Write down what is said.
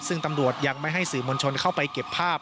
ซึ่งตำรวจยังไม่ให้สื่อมวลชนเข้าไปเก็บภาพ